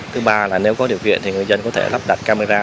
thứ ba là nếu có điều kiện thì người dân có thể lắp đặt camera